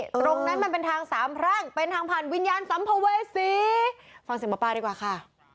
ตรงนั้นมันเป็นทางสามแพร่งเป็นทางผ่านวิญญาณสัมภเวษีฟังเสียงหมอปลาดีกว่าค่ะ